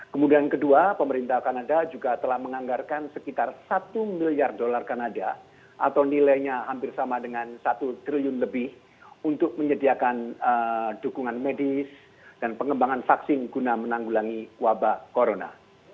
kemudian kedua pemerintah kanada juga telah menganggarkan sekitar satu miliar dolar kanada atau nilainya hampir sama dengan satu triliun lebih untuk menyediakan dukungan medis dan pengembangan vaksin guna menanggulangi wabah corona